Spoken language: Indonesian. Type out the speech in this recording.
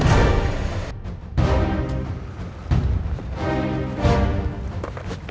ayo siapkan pelirukan pasar mengawal tamu arrogant